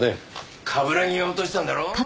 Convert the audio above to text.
冠城が落としたんだろう？